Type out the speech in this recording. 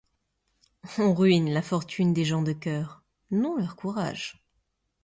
On ruine la fortune des gens de cœur, non leur courage.